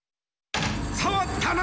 さわったな！